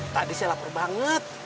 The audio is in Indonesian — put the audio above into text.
tadi saya lapar banget